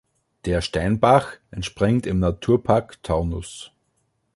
Der "Steinbach" entspringt im Naturpark Taunus.